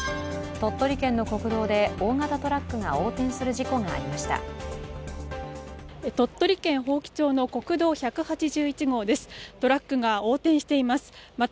鳥取県の国道で大型トラックが横転する事故がありました。